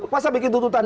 masa bikin tututan